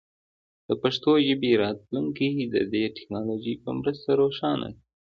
د پښتو ژبې راتلونکی د دې ټکنالوژۍ په مرسته روښانه دی.